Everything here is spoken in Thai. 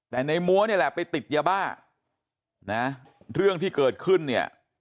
แต่ในมัวนี่แหละไปติดยาบ้านะเรื่องที่เกิดขึ้นเนี่ย